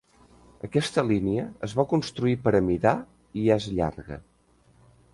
Aquesta línia es va construir per amidar i és llarga.